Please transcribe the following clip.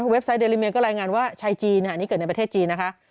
เว็บไซต์เดรีเมียก็รายงานว่าชายจีนอันนี้เกิดในประเทศจีนนะคะ